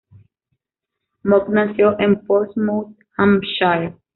Monck nació en Portsmouth, Hampshire.